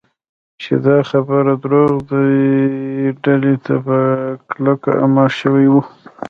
چې دا خبره دروغ ده، دې ډلې ته په کلکه امر شوی و.